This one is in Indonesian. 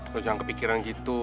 lu jangan kepikiran gitu